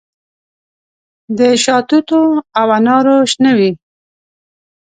د شاتوتو او انارو شنه وي